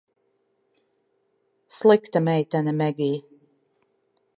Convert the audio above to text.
Slikta meitene, Megij.